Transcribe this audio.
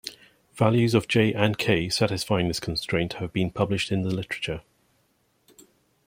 Values of j and k satisfying this constraint have been published in the literature.